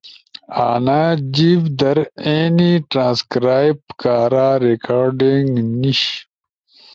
انا جیب در اینی ترانکرائب کارا ریکارڈنگ نیِش،